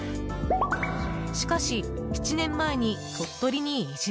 しかし、７年前に鳥取に移住。